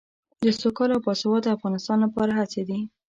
د سوکاله او باسواده افغانستان لپاره هڅې دي.